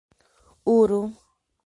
Uru